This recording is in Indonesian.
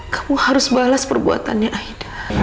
kamu harus balas perbuatannya aida